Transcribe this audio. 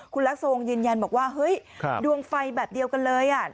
คุณรักษวงยืนยันบอกว่าเฮ้ยดวงไฟแบบเดียวกันเลยอ่ะ